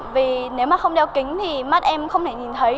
vì nếu mà không đeo kính thì mắt em không thể nhìn thấy